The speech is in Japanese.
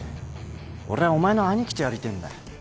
俺はお前のアニキとやりてえんだよ。